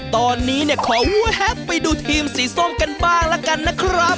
ตอนนี้ขอวัดแฮปไปดูทีมสีส้มกันบ้างละกันนะครับ